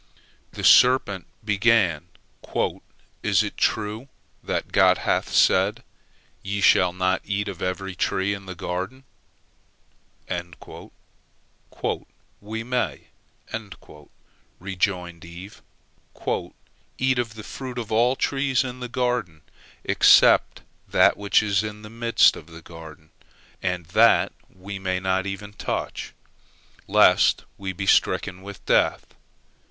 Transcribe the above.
The serpent began, "Is it true that God hath said, Ye shall not eat of every tree in the garden?" "We may," rejoined Eve, "eat of the fruit of all the trees in the garden, except that which is in the midst of the garden, and that we may not even touch, lest we be stricken with death."